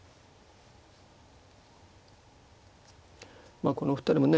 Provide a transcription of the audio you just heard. まあこのお二人もね